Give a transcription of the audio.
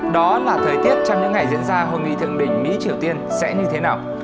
đó là thời tiết trong những ngày diễn ra hội nghị thượng đỉnh mỹ triều tiên sẽ như thế nào